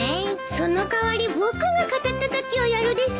その代わり僕が肩たたきをやるです。